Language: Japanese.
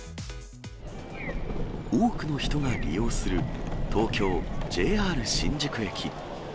多くの人が利用する、東京・ＪＲ新宿駅。